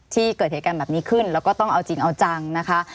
เกิดเหตุการณ์แบบนี้ขึ้นแล้วก็ต้องเอาจริงเอาจังนะคะ